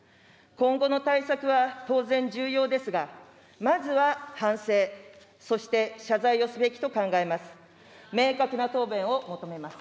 今後の対策は当然、重要ですが、まずは反省、そして謝罪をすべきと考えます。